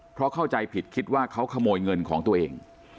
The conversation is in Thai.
เพราะเข้าใจผิดคิดว่าเขาขโมยเงินของตัวเอง